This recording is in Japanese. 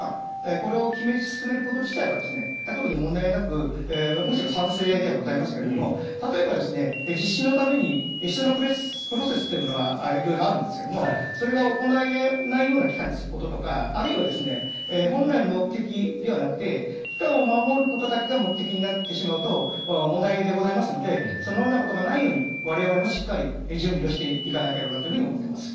これを決めて、進めること自体は特に問題なくむしろ賛成ではございますが例えば実施のために必要なプロセスというものが色々あるんですがそれが行えないような期間にすることとかあるいは本来の目的ではなくて期間を守ることだけが目的になってしまうと問題でございますのでそのようなことがないように我々もしっかりと準備をしていかなければと思っています。